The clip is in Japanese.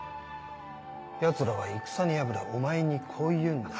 ヤツらは戦に敗れお前にこう言うんだ。